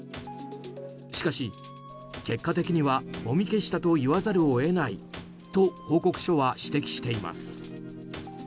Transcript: しかし、結果的にはもみ消したと言わざるを得ないと報告書は指摘しています。